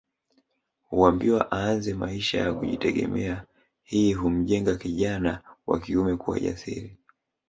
Huambiwa aanze maisha ya kujitegemea hii humjenga kijana wa kiume kuwa jasiri